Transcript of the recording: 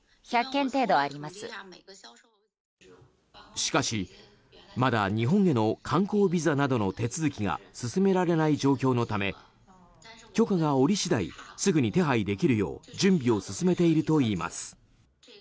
しかしまだ、日本への観光ビザなどの手続きが進められない状況のため許可が下り次第すぐに手配できるよう準備を進めているといいます。